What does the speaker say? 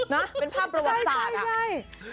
นะเป็นภาพประวัติศาสตร์ใช่